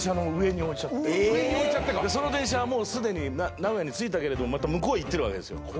その電車はもうすでに名古屋に着いたけれども向こう行ってるわけですよ。